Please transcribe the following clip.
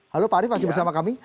halo pak arief masih bersama kami